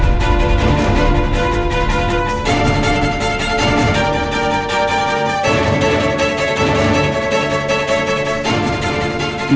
jidikkan si anak lelaki